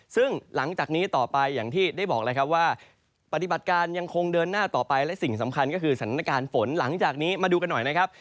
ซึ่งหลังจากนี้ต่อไปอย่างที่ได้บอกแล้วครับว่าปฏิบัติการยังคงเดินหน้าต่อไปและสิ่งสำคัญก็คือสถานการณ์ฝนหลังจากนี้มาดูกันหน่อยนะครับ